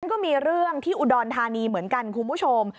ก็มีเรื่องที่อุดรธานีเหมือนกันคุณผู้ชม